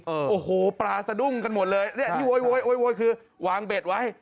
โอ้โหปลาสะดุ้งกันหมดเลยเนี่ยที่โวยโวยคือวางเบ็ดไว้